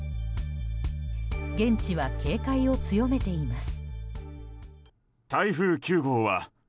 現地は警戒を強めています。